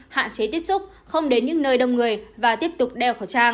hạn chế tiếp xúc không đến những nơi đông người và tiếp tục đeo khẩu trang